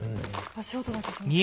足音だけしますね。